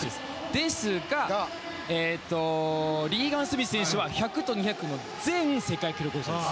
ですが、リーガン・スミス選手は１００と２００の前世界記録保持者です。